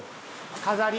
飾り。